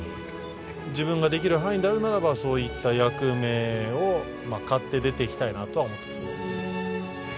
自分ができる範囲であるならば、そういった役目を買って出ていきたいなとは思っていますね。